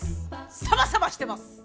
サバサバしてます！